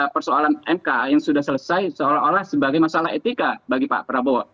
persoalan mk yang sudah selesai seolah olah sebagai masalah etika bagi pak prabowo